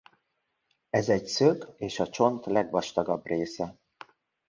Ez egy szög és a csont legvastagabb része.